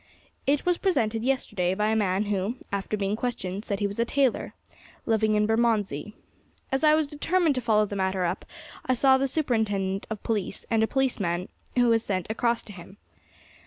It was presented yesterday by a man who, after being questioned, said he was a tailor, living in Bermondsey. As I was determined to follow the matter up, I saw the Superintendent of Police, and a policeman was sent across to him.